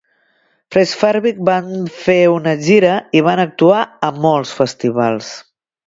FreshFarbik van fer una gira i van actuar a molts festivals.